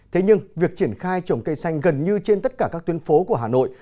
thế nhưng việc triển khai trồng cây xanh gần như trên tất cả các tuyến phố của hà nội